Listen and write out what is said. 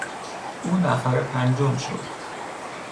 او نفر پنجم شد.